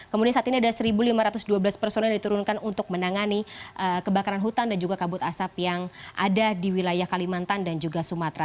kemudian saat ini ada satu lima ratus dua belas personel yang diturunkan untuk menangani kebakaran hutan dan juga kabut asap yang ada di wilayah kalimantan dan juga sumatera